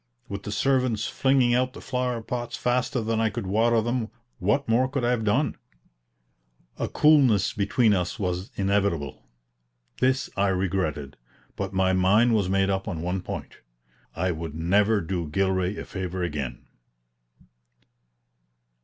With the servants flinging out the flower pots faster than I could water them, what more could I have done? A coolness between us was inevitable. This I regretted, but my mind was made up on one point: I would never do Gilray a favor again.